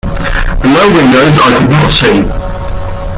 The lower windows I could not see.